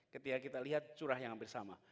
ketika kita lihat curah yang hampir sama